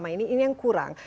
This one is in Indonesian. ini yang kurang